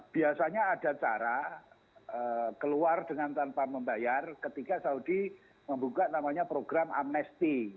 biasanya ada cara keluar dengan tanpa membayar ketika saudi membuka namanya program amnesti